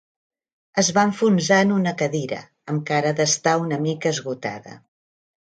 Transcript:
Es va enfonsar en una cadira, amb cara d'estar una mica esgotada.